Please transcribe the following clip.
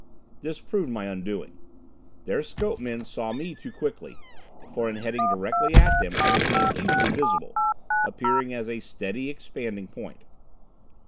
This proved my undoing. Their scopeman saw me too quickly, for in heading directly at them I became easily visible, appearing as a steady, expanding point.